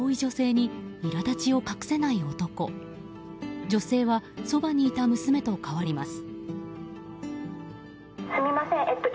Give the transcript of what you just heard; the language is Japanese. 女性はそばにいた娘と代わります。